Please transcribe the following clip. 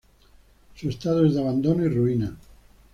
Su estado es de abandono y ruina.